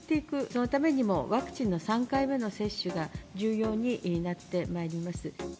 そのためにも、ワクチンの３回目の接種が重要になってまいります。